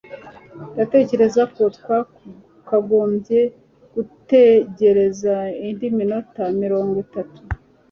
Ndatekereza ko twakagombye gutegereza indi minota mirongo itatu